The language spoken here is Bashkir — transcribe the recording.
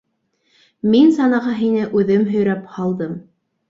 Мин санаға һине үҙем һөйрәп һалдым.